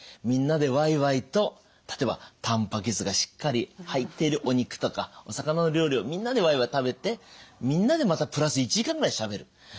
みんなでわいわいと例えばたんぱく質がしっかり入っているお肉とかお魚の料理をみんなでわいわい食べてみんなでまたプラス１時間ぐらいしゃべる。